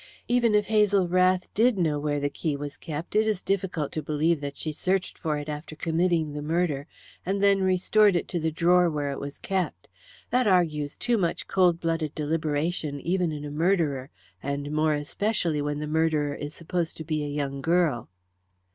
Even if Hazel Rath did know where the key was kept, it is difficult to believe that she searched for it after committing the murder, and then restored it to the drawer where it was kept. That argues too much cold blooded deliberation even in a murderer, and more especially when the murderer is supposed to be a young girl."